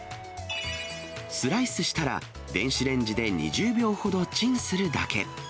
スライスしたら、電子レンジで２０秒ほどチンするだけ。